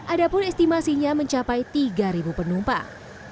adapun estimasinya mencapai tiga penumpang